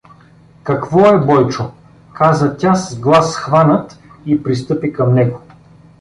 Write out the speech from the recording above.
— Какво е, Бойчо? — каза тя с глас схванат и пристъпи към него.